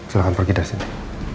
silahkan pergi dari sini